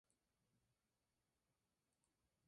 Sobre el cruce de la "Av.